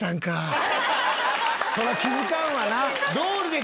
そら気づかんわな。